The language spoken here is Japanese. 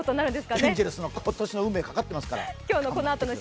エンゼルスの今年の運命がかかってますから！